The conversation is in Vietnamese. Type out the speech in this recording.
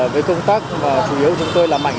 cái công tác mà chủ yếu chúng tôi làm mạnh